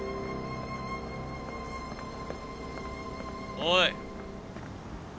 おい。